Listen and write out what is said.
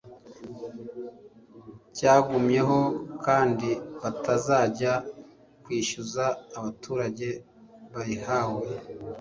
cyagumyeho kandi batazajya kwishyuza abaturage bayihawe